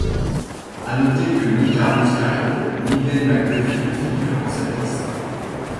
À noter que ni Carl Muscarello, ni Glenn McDuffie ne figurent dans cette liste.